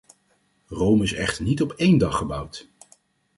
Rome is echter niet op één dag gebouwd.